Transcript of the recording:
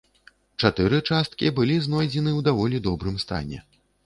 Чатыры часткі былі знойдзены ў даволі добрым стане.